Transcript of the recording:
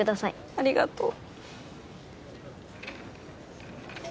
ありがとう。